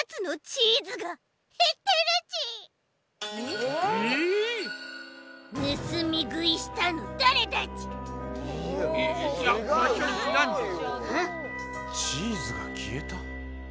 チーズがきえた？